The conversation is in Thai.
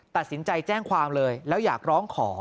ตัดสินใจแจ้งความเลยแล้วอยากร้องขอ